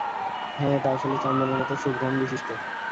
হ্যাঁ, এটা আসলে চন্দনের মতো সুঘ্রাণবিশিষ্ট।